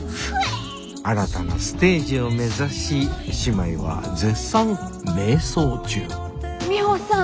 新たなステージを目指し姉妹は絶賛迷走中ミホさん。